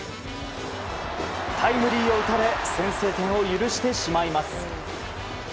タイムリーを打たれ先制点を許してしまいます。